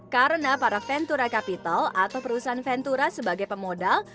karena para ventura capital atau perusahaan ventura sebagai pemodal